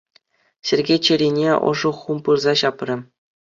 Сергей чӗрине ӑшӑ хум пырса ҫапрӗ.